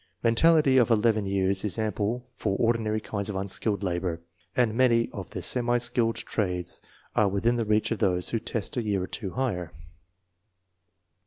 Mentality of eleven years is ample for ordinary kinds of unskilled labor, and many of the semi skilled trades are within the reach of those who test a year or two higher.